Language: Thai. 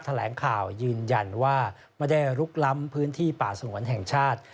แถลงข่าวยืนยันว่าไม่ได้ลุกล้ำพื้นที่ป่าสงวนแห่งชาติ